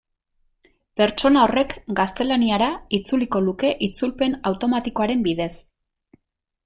Pertsona horrek gaztelaniara itzuliko luke itzulpen automatikoaren bidez.